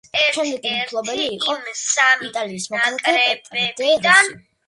შემდეგი მფლობელი იყო იტალიის მოქალაქე პეტრ დე როსი.